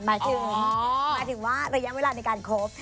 หมายถึงว่าระยะเวลาในการคบ